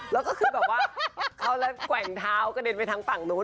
แล้วก็คือแบบว่าเขาเลยแกว่งเท้ากระเด็นไปทางฝั่งนู้น